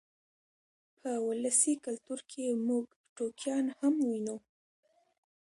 په ولسي کلتور کې موږ ټوکیان هم وینو.